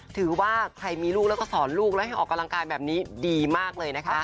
ถือว่าใครมีลูกแล้วก็สอนลูกแล้วให้ออกกำลังกายแบบนี้ดีมากเลยนะคะ